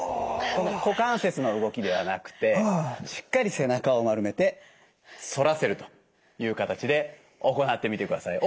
この股関節の動きではなくてしっかり背中を丸めて反らせるという形で行ってみてください。